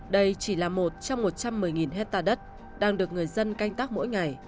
đây chỉ là một trong một trăm một mươi hectare đất đang được người dân canh tác mỗi ngày